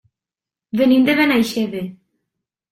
Venim de Benaixeve.